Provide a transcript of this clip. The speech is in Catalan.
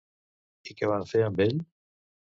I què va fer amb ell?